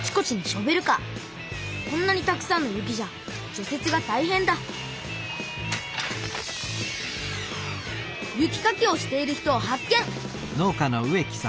こんなにたくさんの雪じゃじょ雪がたいへんだ雪かきをしている人を発見！